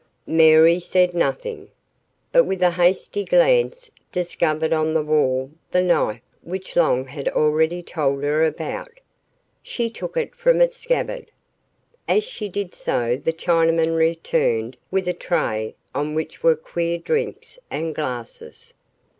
Mary said nothing, but with a hasty glance discovered on the wall the knife which Long had already told her about. She took it from its scabbard. As she did so the Chinaman returned with a tray on which were queer drinks and glasses.